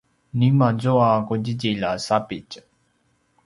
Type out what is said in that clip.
nima zua qudjidjilj a sapitj?